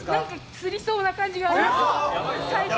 つりそうな感じがあります。